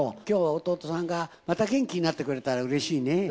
今日は弟さんがまた元気になってくれたらうれしいね。